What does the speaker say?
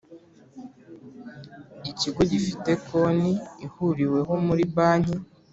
ikigo gifite konti ihuriweho muri banki